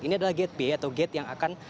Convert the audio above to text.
ini adalah gate bay atau gate yang akan